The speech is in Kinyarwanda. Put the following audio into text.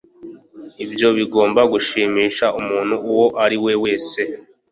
Ibyo bigomba gushimisha umuntu uwo ari we wese.